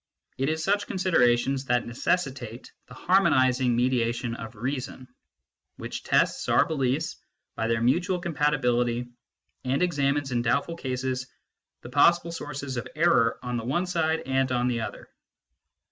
It is such considerations that necessitate the harmonising mediation of reason, which tests our beliefs by their mutual compatibility, and examines, in doubtful cases, the possible sources of error on the one side and on the other.